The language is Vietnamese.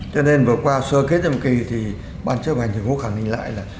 cho nên vừa qua sơ kết thêm kỳ thì ban chức hành thành phố khẳng định lại là